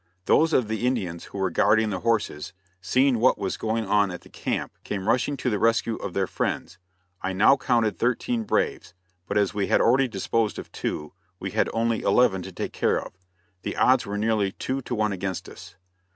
Those of the Indians who were guarding the horses, seeing what was going on at the camp, came rushing to the rescue of their friends. I now counted thirteen braves, but as we had already disposed of two, we had only eleven to take care of. The odds were nearly two to one against us.